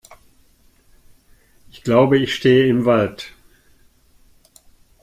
Ich glaube, ich stehe im Wald!